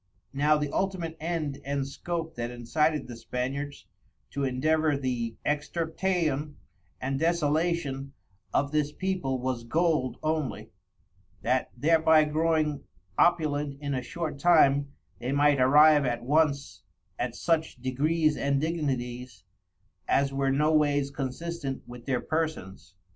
Now the ultimate end and scope that incited the Spaniards to endeavor the Extirptaion and Desolation of this People, was Gold only; that thereby growing opulent in a short time, they might arrive at once at such Degrees and Dignities, as were no wayes consistent with their Persons.